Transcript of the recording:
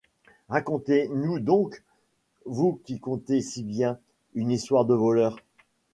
Racontez-nous donc, vous qui contez si bien, une histoire de voleurs.